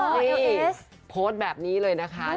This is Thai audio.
โอ้โฮเอลเอสโพสแบบนี้เลยนะคะนี่